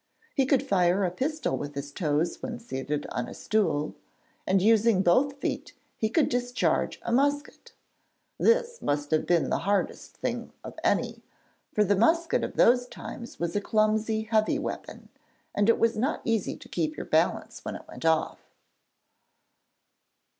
He could fire a pistol with his toes when seated on a stool, and using both feet he could discharge a musket. This must have been the hardest thing of any, for the musket of those times was a clumsy, heavy weapon, and it was not easy to keep your balance when it went off.